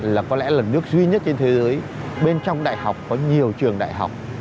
là có lẽ là nước duy nhất trên thế giới bên trong đại học có nhiều trường đại học